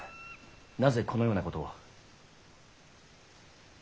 なぜこのようなことを。